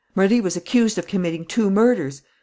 Marie was accused of committing two murders!...